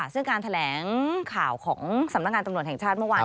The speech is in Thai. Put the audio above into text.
ซึ่งการแถลงข่าวของสำนักงานตำรวจแห่งชาติเมื่อวาน